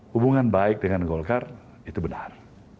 hubungan baik dengan golkar itu benar